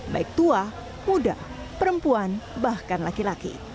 baik tua muda perempuan bahkan laki laki